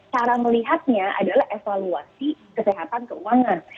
cara melihatnya adalah evaluasi kesehatan keuangan